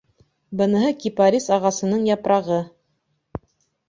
Быныһы кипарис ағасының япрағы...